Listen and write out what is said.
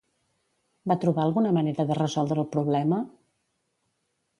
Va trobar alguna manera de resoldre el problema?